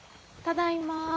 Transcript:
ただいま。